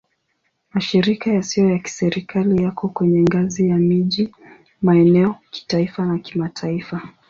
Mashirika yasiyo ya Kiserikali yako kwenye ngazi ya miji, maeneo, kitaifa na kimataifa.